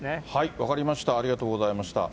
分かりました、ありがとうございました。